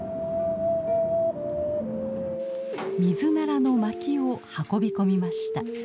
ミズナラの薪を運び込みました。